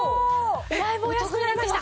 だいぶお安くなりました！